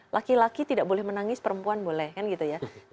laki laki tidak boleh menangis perempuan boleh kan gitu ya